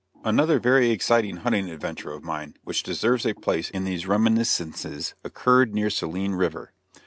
Another very exciting hunting adventure of mine which deserves a place in these reminiscences occurred near Saline river.